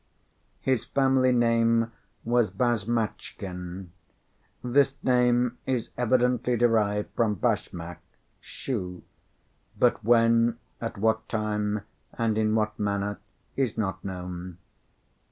His family name was Bashmatchkin. This name is evidently derived from "bashmak" (shoe); but when, at what time, and in what manner, is not known.